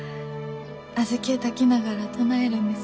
小豆を炊きながら唱えるんです。